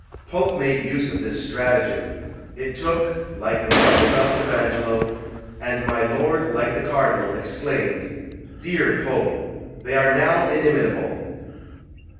Pope made use of this stratagem; it took, like the marble dust of Angelo; and my lord, like the cardinal, exclaimed "Dear Pope, they are now inimitable!"